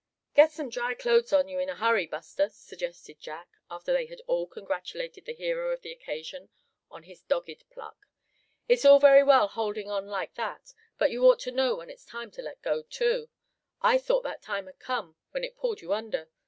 "Get some dry clothes on you in a hurry, Buster," suggested Jack, after they had all congratulated the hero of the occasion on his dogged pluck, "it's all very well holding on like that, but you ought to know when it's time to let go, too. I thought that time had come when it pulled you under.